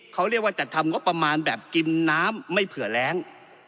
เขาเรียกว่าจัดทำงบประมาณแบบกินน้ำไม่เผื่อแรง